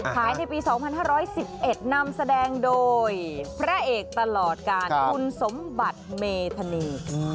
ในปี๒๕๑๑นำแสดงโดยพระเอกตลอดการคุณสมบัติเมธานี